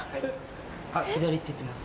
あっ左って言ってます。